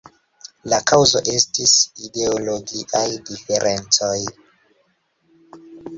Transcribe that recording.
La kaŭzo estis ideologiaj diferencoj.